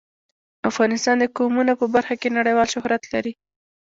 افغانستان د قومونه په برخه کې نړیوال شهرت لري.